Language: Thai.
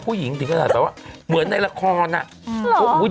อยู่ดีก็ให้หลายไม่ต้อง